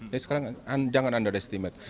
jadi sekarang jangan underestimate